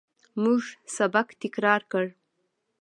موږ سبق تکرار کړ.